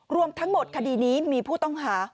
รวมทั้งหมดคดีนี้มีผู้ต้องหา๖คนด้วยกัน